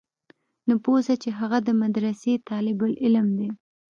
نو پوه سه چې هغه د مدرسې طالب العلم دى.